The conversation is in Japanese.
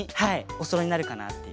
おそろいになるかなっていう。